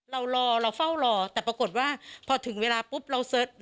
เรารอเราเฝ้ารอแต่ปรากฏว่าพอถึงเวลาปุ๊บเราเสิร์ช